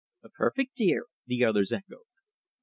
"A perfect dear!" the others echoed.